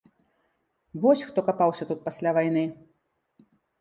Вось хто капаўся тут пасля вайны!